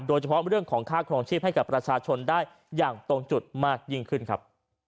โดยเฉพาะเรื่องของค่าครองชีพให้กับประชาชนได้อย่างตรงจุดมากยิ่งขึ้นครับ